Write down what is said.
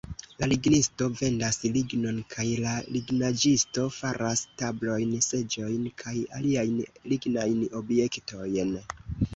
La lignisto vendas lignon, kaj la lignaĵisto faras tablojn, seĝojn kaj aliajn lignajn objektojn.